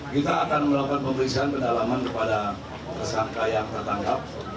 kita akan melakukan pemeriksaan pendalaman kepada tersangka yang tertangkap